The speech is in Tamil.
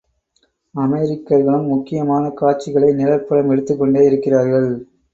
அமெரிக்கர்களும் முக்கியமான காட்சிகளை நிழழ்படம் எடுத்துக்கொண்டே இருக்கிறார்கள்.